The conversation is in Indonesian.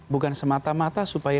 bukan semata mata supaya